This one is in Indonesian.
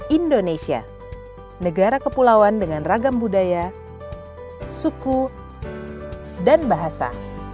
indonesia negara kepulauan dengan ragam budaya suku dan bahasa